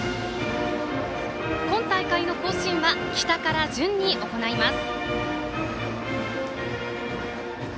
今大会の行進は北から順に行います。